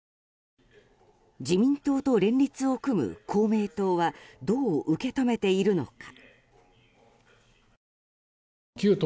自民党と連立を組む公明党はどう受け止めているのか。